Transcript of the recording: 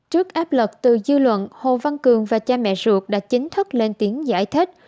trước áp lực từ dư luận hồ văn cường và cha mẹ ruột đã chính thức lên tiếng giải thích